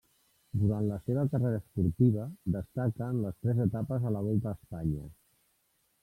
Durant la seva carrera esportiva destaquen les tres etapes a la Volta a Espanya.